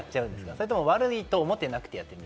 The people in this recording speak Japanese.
それとも悪いと思ってなくてやっちゃう？